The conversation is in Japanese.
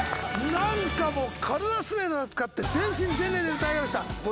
なんかもう体の全てを使って全身全霊で歌い上げました。